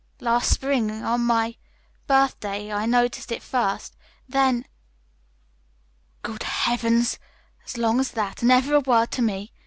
"Last spring on my birthday. I noticed it first then." "Good Heavens! As long as that, and never a word to me?